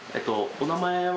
お名前は？